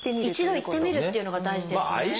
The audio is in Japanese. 一度行ってみるというのが大事ですね。